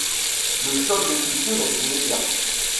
Le choc des cultures est immédiat.